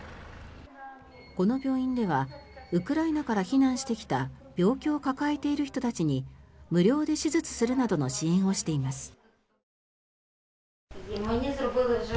この病院ではウクライナから避難してきた病気を抱えている人たちに無料で手術するなどの支援をしています。